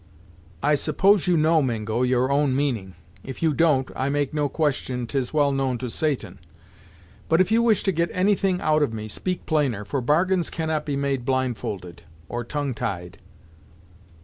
"I suppose you know, Mingo, your own meaning; if you don't I make no question 'tis well known to Satan. But if you wish to get any thing out of me, speak plainer, for bargains can not be made blindfolded, or tongue tied."